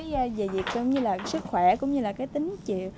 cái về việc như là sức khỏe cũng như là cái tính chị